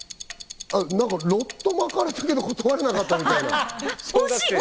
ロッドを巻かれていて断れなかったみたいな。